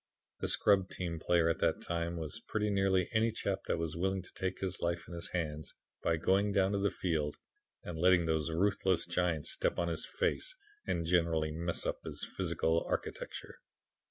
The scrub team player at that time was pretty nearly any chap that was willing to take his life in his hands by going down to the field and letting those ruthless giants step on his face and generally muss up his physical architecture.